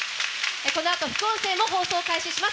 このあと副音声も放送開始します。